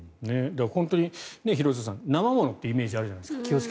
本当に廣津留さん生ものっていうイメージがあるじゃないですか。